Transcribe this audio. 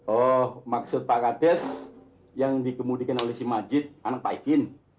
oh maksud pak kades yang dikemudikan oleh si majid anak pak ipin